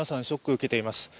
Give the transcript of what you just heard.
ショックを受けています。